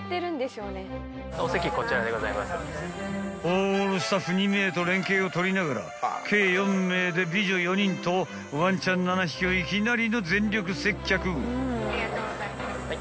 ［ホールスタッフ２名と連携を取りながら計４名で美女４人とワンちゃん７匹をいきなりの全力接客］